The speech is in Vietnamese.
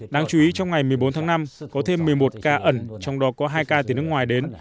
đáng chú ý trong ngày một mươi bốn tháng năm có thêm một mươi một ca ẩn trong đó có hai ca từ nước ngoài đến